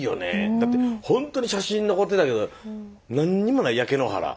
だってほんとに写真残ってたけど何にもない焼け野原。